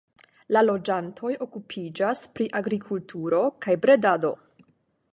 La loĝantoj okupiĝas pri agrikulturo kaj bredado.